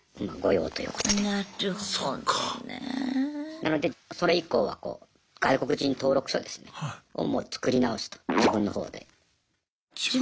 なのでそれ以降は外国人登録書ですねをもう作り直すと自分のほうで。